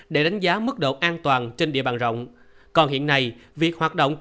để đánh giá mức độ an toàn trên địa bàn rộng